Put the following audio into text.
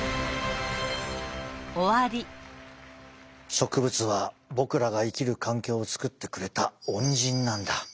植物は僕らが生きる環境を作ってくれた恩人なんだ。